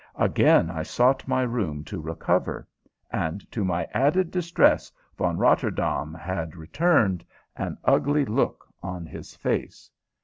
Again I sought my room, to recover, and to my added distress Von Rotterdaam had returned, an ugly look on his face.